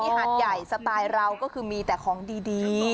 หาดใหญ่สไตล์เราก็คือมีแต่ของดี